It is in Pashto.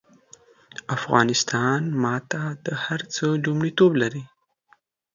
افغانستان ماته د هر څه لومړيتوب لري